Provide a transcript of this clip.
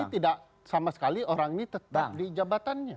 tidak sama sekali orang ini tetap di jabatannya